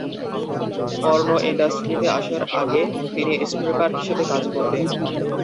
Porn ইন্ডাস্ট্রিতে আসার আগে তিনি স্ট্রিপার হিসেবে কাজ করতেন।